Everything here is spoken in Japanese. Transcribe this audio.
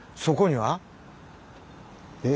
そこには？